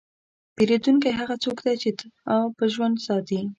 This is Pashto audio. پیرودونکی هغه څوک دی چې تا په ژوند ساتي.